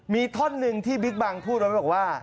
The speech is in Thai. มีท่อนึงที่บิ๊กบังพูดแล้วบอกว่า